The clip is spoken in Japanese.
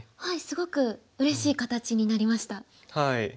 はいすごくうれしい形になりました。